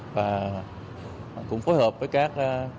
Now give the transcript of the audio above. và cũng phối hợp với các